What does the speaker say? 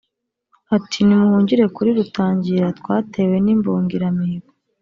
ati: nimuhungire kuli rutangira twatewe n'imbungiramihigo,